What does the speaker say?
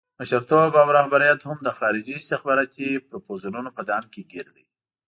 مشرتوب او رهبریت هم د خارجي استخباراتي پروفوزلونو په دام کې ګیر دی.